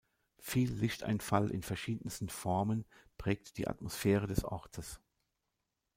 Viel Lichteinfall in verschiedensten Formen prägt die Atmosphäre des Ortes.